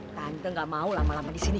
tante gak mau lama lama di sini